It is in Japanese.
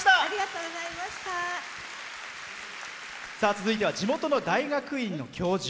続いては地元の大学院の教授。